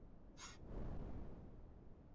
之后出任多项公职。